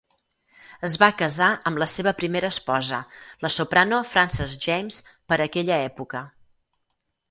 Es va casar amb la seva primera esposa, la soprano Frances James, per aquella època.